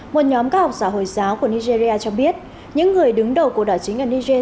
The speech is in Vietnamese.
một nhóm các học giả hồi giáo của nigeria cho biết những người đứng đầu cuộc đảo chính ở niger